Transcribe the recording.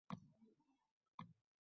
Bo’m-bo’sh edi bekning yotog’i tongda